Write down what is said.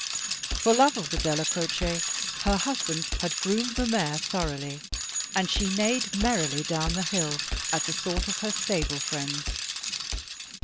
For love of the Della Croce her husband had groomed the mare thoroughly, and she neighed merrily down the hill at thought of her stable friends.